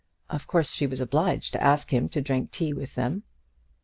Of course she was obliged to ask him to drink tea with them.